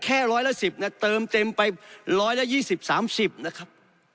แค่ร้อยละ๑๐เนี่ยเติมเต็มไป๑๒๐๓๐นะครับ